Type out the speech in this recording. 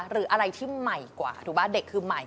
หรืออะไรที่ใหม่กว่าถูกป่ะเด็กคือใหม่